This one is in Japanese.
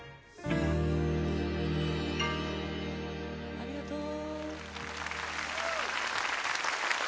ありがとう。